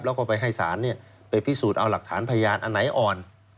แล้วก็ไปให้ศาลไปพิสูจน์เอาหลักฐานพยานอันไหนอ่อน